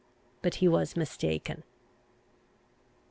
But he was mistaken.